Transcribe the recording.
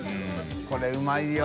これうまいよ。